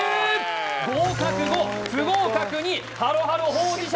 合格５不合格２ハロハロほうじ茶